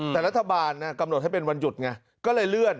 แต่รัฐบาลกำหนดให้เป็นวันหยุดไงก็เลยเลื่อน